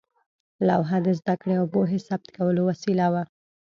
لوحه د زده کړې او پوهې ثبت کولو وسیله وه.